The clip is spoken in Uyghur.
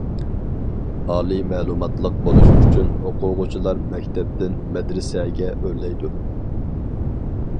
ئالىي مەلۇماتلىق بولۇش ئۈچۈن ئوقۇغۇچىلار مەكتەپتىن مەدرىسەگە ئۆرلەيدۇ.